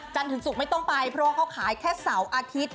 จันถึงสุกไม่ต้องไปเพราะเขาขายแค่เสาร์อาทิตย์